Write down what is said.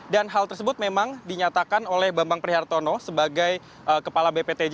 dan hal tersebut memang dinyatakan oleh bambang prihartono sebagai kepala bptj